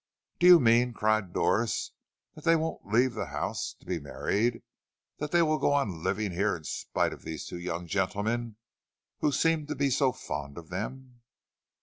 "Do you mean," cried Doris, "that they won't leave the house to be married? That they will go on living here in spite of these two young gentlemen who seem to be so fond of them?"